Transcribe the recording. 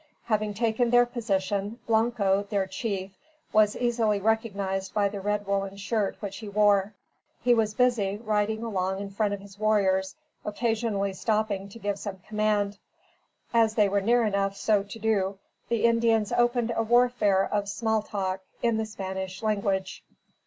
Having taken their position, Blanco, their chief, was easily recognized by the red woolen shirt which he wore. He was busy, riding along in front of his warriors, occasionally stopping to give some command. As they were near enough so to do, the Indians opened a warfare of small talk, in the Spanish language.